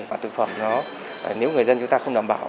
và thực phẩm nó nếu người dân chúng ta không đảm bảo